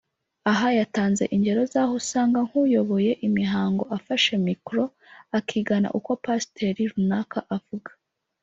Aha yatanze ingero z’aho usanga nk’uyoboye imihango `afashe micro akigana uko pasteur runaka avuga